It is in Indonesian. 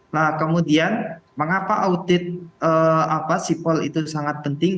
nah kemudian mengapa audit sipol itu sangat penting